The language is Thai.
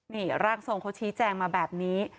นี่ร่างทรงเขาชี้แจงมาแบบนี้